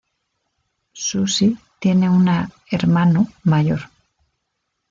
Susie tiene una hermano mayor.